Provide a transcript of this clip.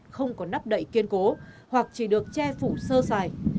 không có nắp đậy kiên cố hoặc chỉ được che phủ sơ xài